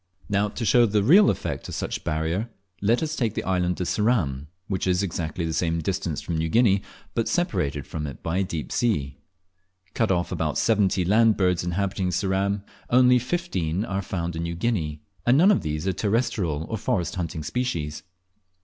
Now, to show the real effect of such barrier, let us take the island of Ceram, which is exactly the same distance from New Guinea, but separated from it by a deep sea. Cut of about seventy land birds inhabiting Ceram, only fifteen are found in New Guinea, and none of these are terrestrial or forest haunting species.